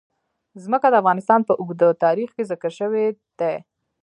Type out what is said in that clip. ځمکه د افغانستان په اوږده تاریخ کې ذکر شوی دی.